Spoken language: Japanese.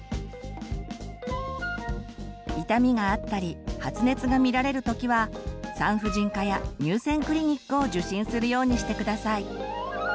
痛みがあったり発熱が見られる時は産婦人科や乳腺クリニックを受診するようにして下さい。